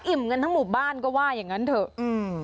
กันทั้งหมู่บ้านก็ว่าอย่างงั้นเถอะอืม